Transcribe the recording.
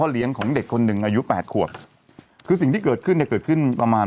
เลี้ยงของเด็กคนหนึ่งอายุแปดขวบคือสิ่งที่เกิดขึ้นเนี่ยเกิดขึ้นประมาณ